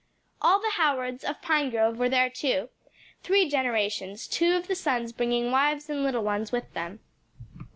All the Howards, of Pinegrove, were there too three generations, two of the sons bringing wives and little ones with them.